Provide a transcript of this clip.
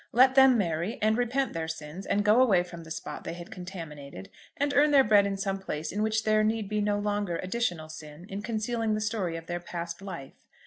Let them marry, and repent their sins, and go away from the spot they had contaminated, and earn their bread in some place in which there need be no longer additional sin in concealing the story of their past life.